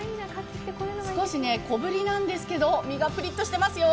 少し小振りなんですけど身がぷりっとしてますよ。